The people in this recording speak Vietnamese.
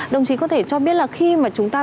đồng chí có thể cho biết là khi mà chúng ta